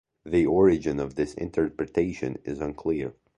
The origin of this interpretation is unclear.